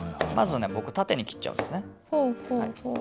まずねボク縦に切っちゃうんですね。